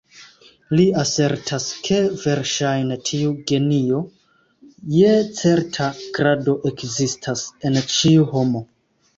Li asertas, ke, verŝajne, tiu genio je certa grado ekzistas en ĉiu homo.